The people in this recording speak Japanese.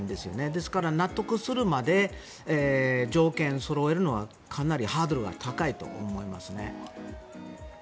ですから、納得するまで条件、そろえるのはかなりハードルが高いと思いますね。